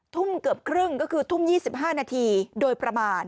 ทุ่มเกือบครึ่งก็คือทุ่ม๒๕นาทีโดยประมาณ